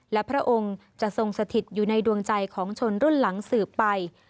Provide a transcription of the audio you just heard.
และพระองค์จะทรงสถิตอยู่ในดวงใจของชนรุ่นหลังสืบไป